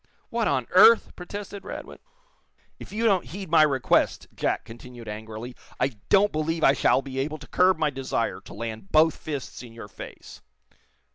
"What on earth " protested Radwin. "If you don't heed my request," Jack continued, angrily, "I don't believe I shall be able to curb my desire to land both fists in your face."